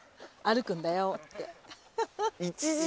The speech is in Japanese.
歩くんだよって。